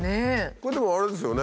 これでもあれですよね。